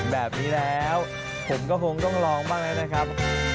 แบบนี้แล้วผมก็คงต้องลองบ้างแล้วนะครับ